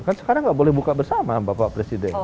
kan sekarang nggak boleh buka bersama bapak presiden